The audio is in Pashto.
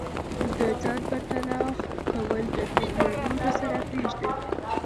د ځان پرتله کول له نورو سره پریږدئ.